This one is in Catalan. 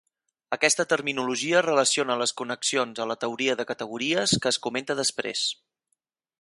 Aquesta terminologia relaciona les connexions a la teoria de categories que es comenta després.